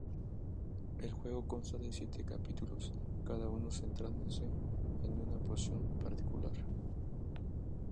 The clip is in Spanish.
El juego consta de siete capítulos, cada uno centrándose en una poción particular.